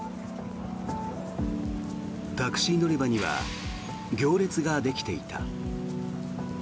タクシー乗り場には行列ができていた。